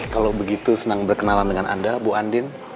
kalau begitu senang berkenalan dengan anda bu andin